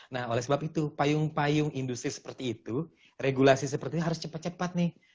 nah oleh sebab itu payung payung industri seperti itu regulasi seperti ini harus cepat cepat nih